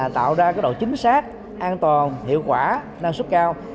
tạo ra độ chính xác an toàn hiệu quả năng suất cao